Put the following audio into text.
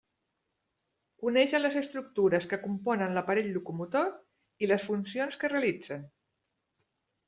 Conéixer les estructures que componen l'aparell locomotor i les funcions que realitzen.